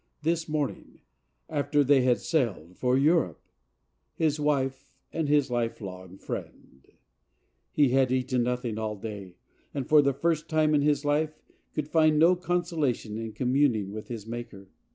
This morning —after they had sailed for Europe! His wife and his life long friend ! He had eaten nothing all day, and, for the first time in his life, could find no consolation in com¬ muning with his Maker.